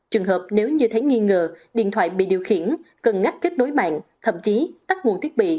trường hợp nếu như thấy nghi ngờ điện thoại bị điều khiển cần ngắt kết nối mạng thậm chí tắt nguồn thiết bị